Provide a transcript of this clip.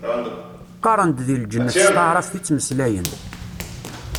Qqaren-d deg lǧennet s taɛrabt i ttmeslayen.